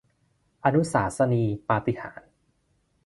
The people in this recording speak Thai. อนุสาสนีปาฏิหาริย์